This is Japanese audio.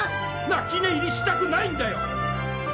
泣き寝入りしたくないんだよ！